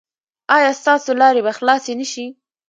ایا ستاسو لارې به خلاصې نه شي؟